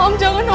om jangan om